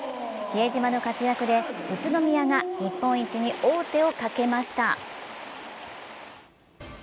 比江島の活躍で宇都宮が日本一に王手をかけました。